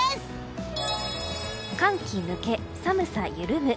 寒気抜け、寒さ緩む。